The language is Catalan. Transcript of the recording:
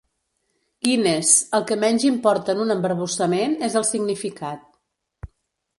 Guinness, el que menys importa en un embarbussament és el significat.